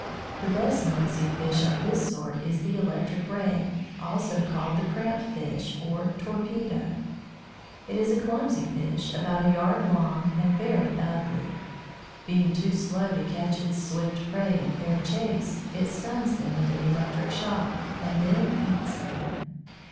_ The best known sea fish of this sort is the Electric Ray, also called the Cramp Fish or Torpedo (see p. 48). It is a clumsy fish about a yard long, and very ugly. Being too slow to catch its swift prey in fair chase, it stuns them with an electric shock, and then eats them.